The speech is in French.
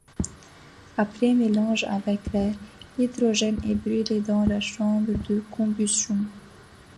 Après mélange avec l'air, l'hydrogène est brûlé dans la chambre de combustion.